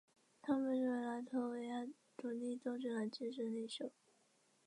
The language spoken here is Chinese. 他们被视为拉脱维亚独立斗争的精神领袖。